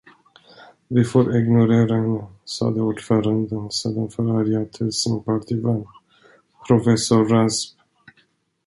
Vi får ignorera henne, sade ordföranden sedan förargad till sin partivän, professor Rasp.